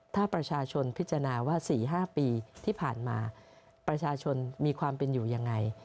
ถ้าประชาชนพิจารณาว่า๔๕ปีที่ผ่านมาประชาชนมีความเป็นอยู่ยังไง